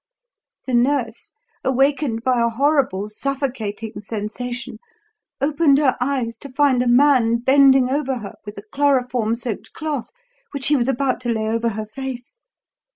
The nurse, awakened by a horrible suffocating sensation, opened her eyes to find a man bending over her with a chloroform soaked cloth, which he was about to lay over her face.